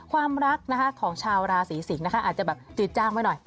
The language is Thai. ความรักนะคะของชาวราศีสิงศ์นะคะอาจจะแบบจืดจ้างไว้หน่อย